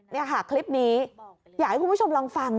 นี่ค่ะคลิปนี้อยากให้คุณผู้ชมลองฟัง